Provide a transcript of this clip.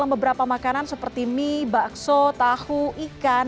beberapa makanan seperti mie bakso tahu ikan